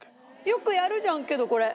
よくやるじゃんけどこれ。